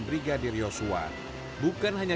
brigadir yosua bukan hanya